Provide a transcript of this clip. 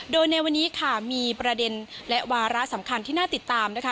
โดยในวันนี้ค่ะมีประเด็นและวาระสำคัญที่น่าติดตามนะคะ